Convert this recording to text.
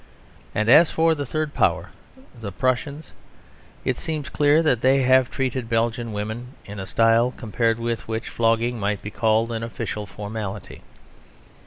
And as for the third power, the Prussians, it seems clear that they have treated Belgian women in a style compared with which flogging might be called an official formality.